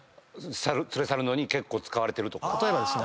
例えばですね